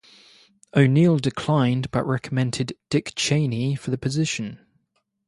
O'Neill declined, but recommended Dick Cheney for the position.